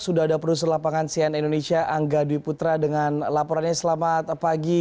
sudah ada produser lapangan cnn indonesia angga dwi putra dengan laporannya selamat pagi